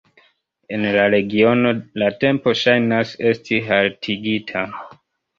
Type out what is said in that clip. En la regiono la tempo ŝajnas esti haltigita.